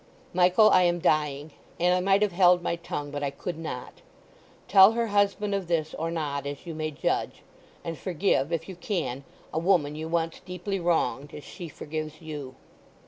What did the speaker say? Michael, I am dying, and I might have held my tongue; but I could not. Tell her husband of this or not, as you may judge; and forgive, if you can, a woman you once deeply wronged, as she forgives you.